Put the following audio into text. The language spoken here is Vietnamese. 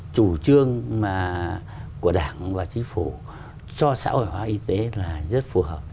chủ trương của đảng và chính phủ cho xã hội hóa y tế là rất phù hợp